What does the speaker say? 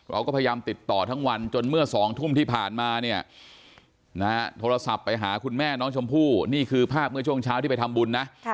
เราก็พยายามติดต่อทั้งวันจนเมื่อ๒ทุ่มที่ผ่านมาเนี่ยนะฮะโทรศัพท์ไปหาคุณแม่น้องชมพู่นี่คือภาพเมื่อช่วงเช้าที่ไปทำบุญนะ